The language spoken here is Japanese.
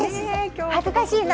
恥ずかしい。